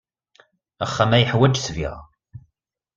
Axxam-a yeḥwaj ssbiɣa.